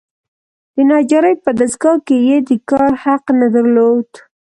د نجارۍ په دستګاه کې یې د کار حق نه درلود.